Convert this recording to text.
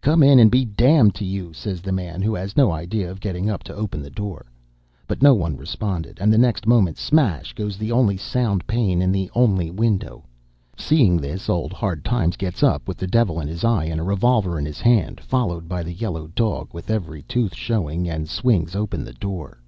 'Come in and be d d to you,' says the man, who has no idea of getting up to open the door. But no one responded, and the next moment smash goes the only sound pane in the only window. Seeing this, old Hard Times gets up, with the devil in his eye, and a revolver in his hand, followed by the yellow dog, with every tooth showing, and swings open the door.